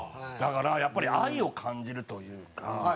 だからやっぱり愛を感じるというか。